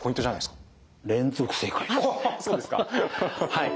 はい。